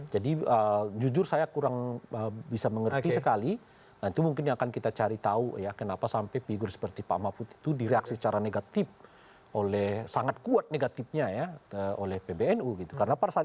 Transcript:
jelang penutupan pendaftaran